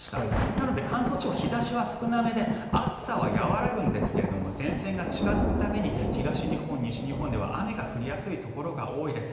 なので関東地方日差しは少なめで暑さは和らぐんですが前線が近付くために東日本、西日本では雨が降りやすいところが多いです。